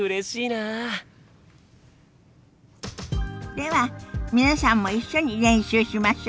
では皆さんも一緒に練習しましょ。